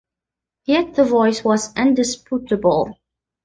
Yet the voice was indisputable.